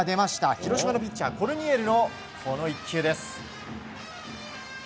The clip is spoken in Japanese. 広島のピッチャーコルニエルのこの１球です。